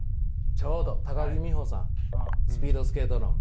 ちょうど木美帆さんスピードスケートの。